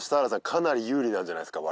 かなり有利なんじゃないですか？